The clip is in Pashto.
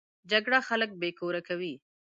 جګړه خلک بې کوره کوي